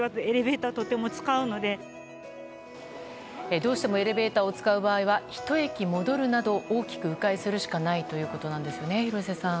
どうしてもエレベーターを使う場合はひと駅戻るなど大きく迂回するしかないということなんですが、廣瀬さん。